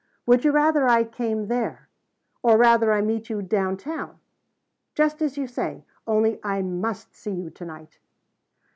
"Would you rather I came there? Or rather I meet you down town? Just as you say. Only I must see you tonight."